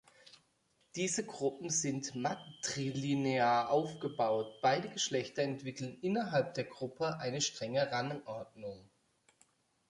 Diese Gruppen sind matrilinear aufgebaut, beide Geschlechter entwickeln innerhalb der Gruppe eine strenge Rangordnung.